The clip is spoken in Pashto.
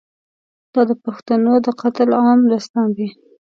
دا د پښتنو د قتل عام داستان دی.